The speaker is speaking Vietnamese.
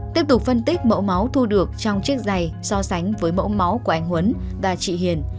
tiếp tục phân tích mẫu máu thu được trong chiếc giày so sánh với mẫu máu của anh huấn và chị hiền